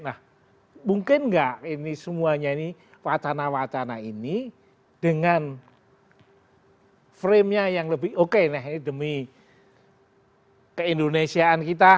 nah mungkin enggak ini semuanya ini watana watana ini dengan frame nya yang lebih oke nih demi keindonesiaan kita